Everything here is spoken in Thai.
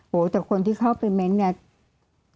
โหวแต่คนที่เข้าเป็นเม้นเนี่ย